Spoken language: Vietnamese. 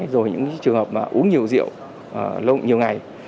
rồi những trường hợp mà uống nhiều rượu lâu nhiều ngày